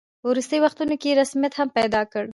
په وروستیو وختونو کې یې رسمیت هم پیدا کړ.